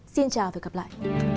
xin chào và hẹn gặp lại